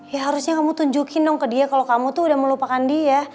ya harusnya kamu tunjukin dong ke dia kalau kamu tuh udah melupakan dia